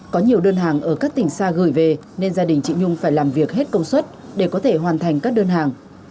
có nhiều đơn hàng ở các tỉnh xa gửi về nên gia đình chị nhung phải làm việc hết công suất để có thể hoàn thành các đơn hàng